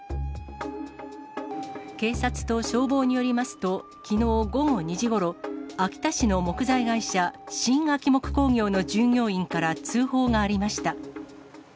警察と消防によりますと、きのう午後２時ごろ、秋田市の木材会社、新秋木工業の従業員から通報がありました。